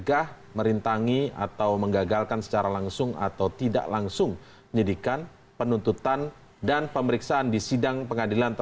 baik kita lanjutkan pak edi